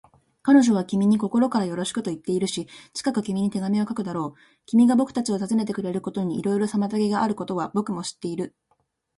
彼女は君に心からよろしくといっているし、近く君に手紙を書くだろう。君がぼくたちを訪ねてくれることにいろいろ妨げがあることは、ぼくも知っている。